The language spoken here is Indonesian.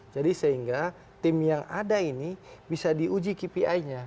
jadi sehingga tim yang ada ini bisa diuji kpi nya